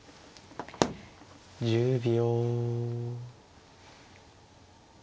１０秒。